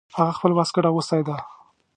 هغه خپل واسکټ اغوستی ده